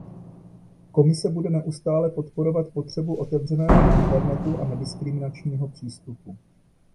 Komise bude neustále podporovat potřebu otevřeného internetu a nediskriminačního přístupu.